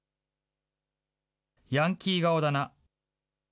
ヤンキー顔だな。